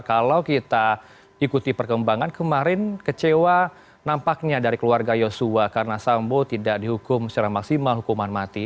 kalau kita ikuti perkembangan kemarin kecewa nampaknya dari keluarga yosua karena sambo tidak dihukum secara maksimal hukuman mati